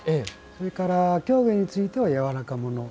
それから、狂言についてはやわらかもの。